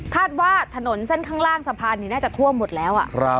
คาดว่าถนนเส้นข้างล่างสะพานนี่น่าจะท่วมหมดแล้วอ่ะครับ